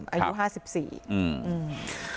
อายุห้าสิบสี่อืมอืม